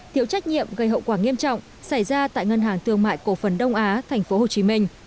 thiếu trách nhiệm gây hậu quả nghiêm trọng xảy ra tại ngân hàng tương mại cổ phần đông á tp hcm